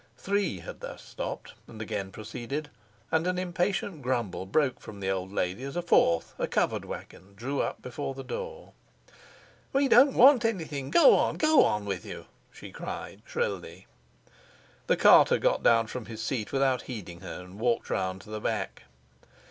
Three had thus stopped and again proceeded, and an impatient grumble broke from the old lady as a fourth, a covered wagon, drew up before the door. "We don't want anything: go on, go on with you!" she cried shrilly. The carter got down from his seat without heeding her, and walked round to the back.